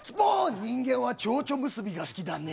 人間はちょうちょ結びが好きだね。